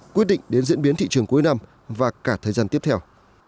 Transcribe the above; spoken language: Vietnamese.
quyết định đến diễn biến thị trường cuối năm và cả thời gian tiếp theo